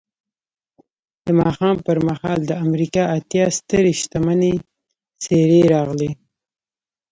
د ماښام پر مهال د امریکا اتیا سترې شتمنې څېرې راغلې